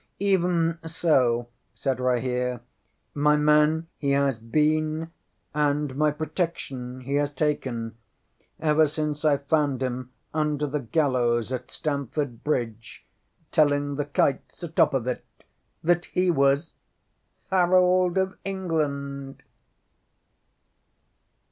ŌĆØ ŌĆśŌĆ£Even so, ŌĆØ said Rahere. ŌĆ£My man he has been, and my protection he has taken, ever since I found him under the gallows at Stamford Bridge telling the kites atop of it that he was Harold of England!